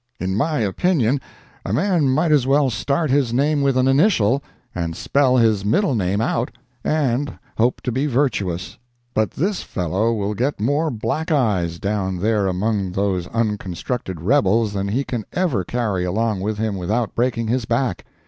In my opinion a man might as well start his name with an initial and spell his middle name out and hope to be virtuous. But this fellow will get more black eyes, down there among those unconstructed rebels than he can ever carry along with him without breaking his back.